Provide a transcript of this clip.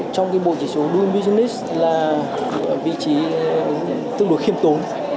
trong bộ chỉ số don business là vị trí tương đối khiêm tốn